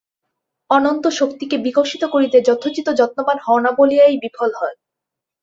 অনন্ত শক্তিকে বিকশিত করিতে যথোচিত যত্নবান হও না বলিয়াই বিফল হও।